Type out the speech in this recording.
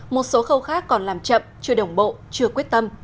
một số khâu khác còn làm chậm chưa đồng bộ chưa quyết tâm